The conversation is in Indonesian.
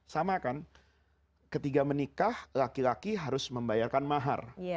sama kan ketika menikah laki laki harus membayarkan mahar